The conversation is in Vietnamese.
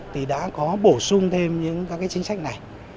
thì đã có bổ sung thêm những các cái chính sách này